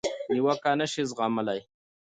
نیوکه نشي زغملای.